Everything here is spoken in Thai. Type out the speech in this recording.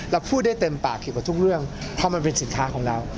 พูดได้เต็มปากผิดกว่าทุกเรื่องเพราะมันเป็นสินค้าของเรา